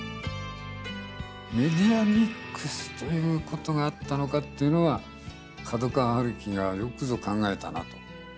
メディアミックスということがあったのかっていうのは角川春樹がよくぞ考えたなと。